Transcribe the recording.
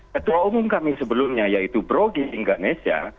ketua umum kami sebelumnya yaitu brogy indonesia